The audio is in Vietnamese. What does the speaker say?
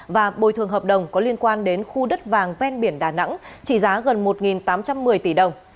và bồi thường hợp đồng có liên quan đến khu đất vàng ven biển đà nẵng trị giá gần một tám trăm một mươi tỷ đồng